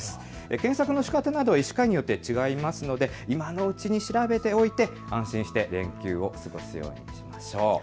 検索のしかたなどは医師会によって違いますので今のうちに調べておいて安心して連休を過ごすようにしましょう。